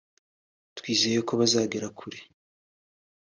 twizeye ko bazagera kure